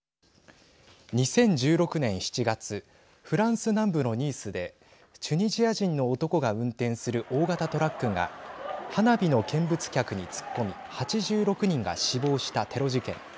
２０１６年７月フランス南部のニースでチュニジア人の男が運転する大型トラックが花火の見物客に突っ込み８６人が死亡したテロ事件。